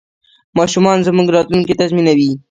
ماشومان زموږ راتلونکی تضمینوي.